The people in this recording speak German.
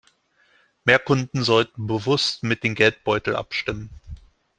Mehr Kunden sollten bewusst mit dem Geldbeutel abstimmen.